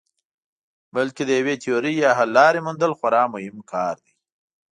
بلکې د یوې تیورۍ یا حللارې موندل خورا مهم کار دی.